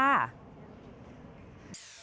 บริจาคเงินโดยรายได้ก็จะนำมาสมทบทุน